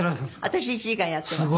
私１時間やってます。